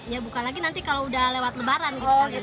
ya buka lagi nanti kalau udah lewat lebaran gitu